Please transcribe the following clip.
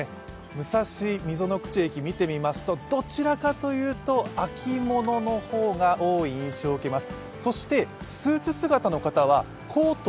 武蔵溝ノ口駅見てみますとどちらかというと、秋物の方が多い印象を受けます。